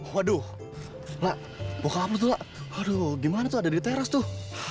waduh lah boka apel tuh lah aduh gimana tuh ada di teras tuh